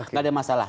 nggak ada masalah